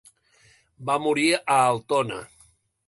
Va morir a Altona.